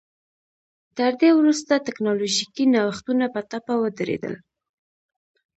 تر دې وروسته ټکنالوژیکي نوښتونه په ټپه ودرېدل